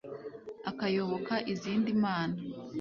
akayoboka izindi mana;